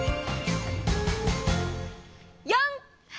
４！